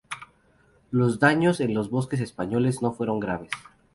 Los daños en los buques españoles no fueron graves.